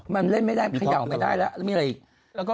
มันเล่นไม่ได้ขยับไม่ได้แล้วมีอะไรอีก